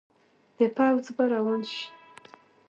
د پوځ به روان شي.